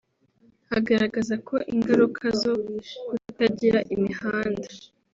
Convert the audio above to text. Agaragaza ko ingaruka zo kutagira imihanda